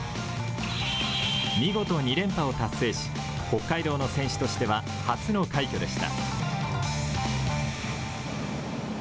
見事２連覇を達成し、北海道の選手としては初の快挙でした。